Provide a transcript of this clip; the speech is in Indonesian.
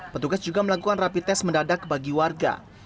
petugas juga melakukan rapi tes mendadak bagi warga